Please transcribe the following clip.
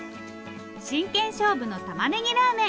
真剣勝負のたまねぎラーメン